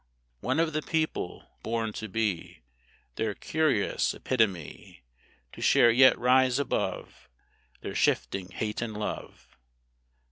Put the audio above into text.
One of the People! born to be Their curious epitome; To share yet rise above Their shifting hate and love.